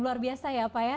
luar biasa ya pak ya